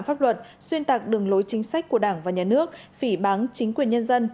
pháp luật xuyên tạc đường lối chính sách của đảng và nhà nước phỉ bán chính quyền nhân dân